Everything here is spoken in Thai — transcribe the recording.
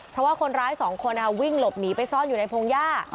เพราะว่าคนร้ายสองคนวิ่งหลบหนีไปซ่อนอยู่ในพงหญ้า